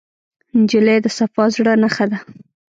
نجلۍ د صفا زړه نښه ده.